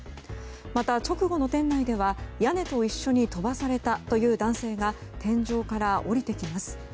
また、直後の店内では屋根と一緒に飛ばされたという男性が天井から降りてきます。